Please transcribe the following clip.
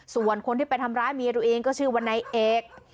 ส่วนคนที่ไปทำร้ายเมียตัวเองก็ชื่อว่านายเอก